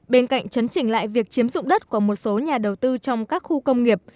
bên cạnh chấn chỉnh lại việc chiếm dụng đất của một số nhà đầu tư trong các khu công nghiệp